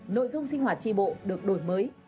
nội dung sinh hoạt tri bộ được đổi mới